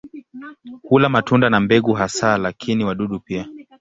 Hula matunda na mbegu hasa lakini wadudu pia.